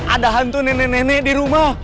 ada hantu nenek nenek dirumah